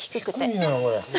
低いのよこれ。